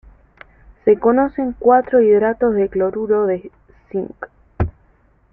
Se conocen cuatro hidratos de cloruro de cinc.